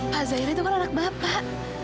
pak zairi itu kan anak bapak